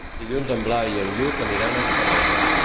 Dilluns en Blai i en Lluc aniran a Catarroja.